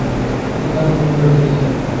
তিনি কাগজ ও হুন্ডি ব্যবসায়ী ছিলেন।